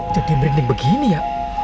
jadi merinding begini ya